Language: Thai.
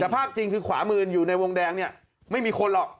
แต่ภาพจริงคือขวามืออยู่ในวงแดงเนี่ยไม่มีคนหรอก